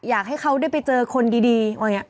อยากให้เขาได้ไปเจอคนดี